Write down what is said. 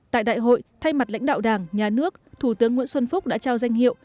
tại đại hội thay mặt lãnh đạo đảng nhà nước thủ tướng nguyễn xuân phúc đã trao danh hiệu